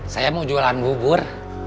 saya mau jualan bubur